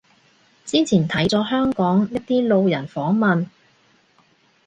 之前睇咗香港一啲路人訪問